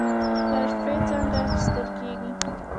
ترفیع څنګه اخیستل کیږي؟